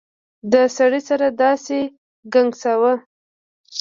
د سړي سر داسې ګنګساوه.